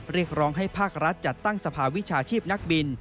เรียกร้องให้ภาครัฐจัดตั้งสภาวิชาชีพนักบิน